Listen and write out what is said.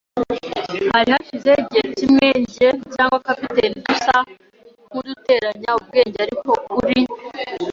Hari hashize igihe kimwe njye cyangwa capitaine dusa nkuduteranya ubwenge, ariko kuri